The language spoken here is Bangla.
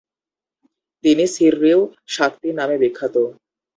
তিনি ছিররিউ সাকতী নামে বিখ্যাত।